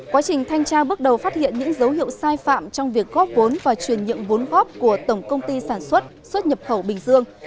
quá trình thanh tra bước đầu phát hiện những dấu hiệu sai phạm trong việc góp vốn và truyền nhượng vốn góp của tổng công ty sản xuất xuất nhập khẩu bình dương